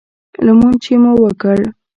لمونځ چې مو وکړ.